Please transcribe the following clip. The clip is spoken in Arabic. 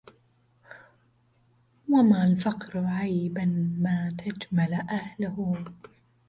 وما الفقر عيبا ما تجمل أهله